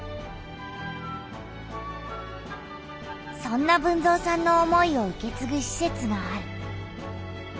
そんな豊造さんの思いを受けつぐしせつがある。